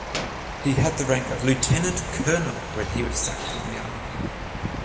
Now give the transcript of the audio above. He had the rank of Lieutenant Colonel when he was sacked from the Army.